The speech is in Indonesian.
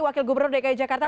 wakil gubernur dki jakarta